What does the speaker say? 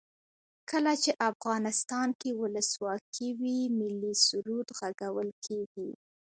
کله چې افغانستان کې ولسواکي وي ملي سرود غږول کیږي.